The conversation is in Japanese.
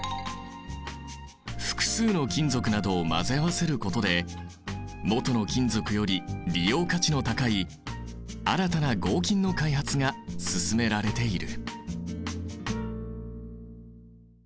複数の金属などを混ぜ合わせることでもとの金属より利用価値の高い新たな合金の開発が進められている。